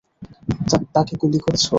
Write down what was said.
তাকে গুলি করেছো?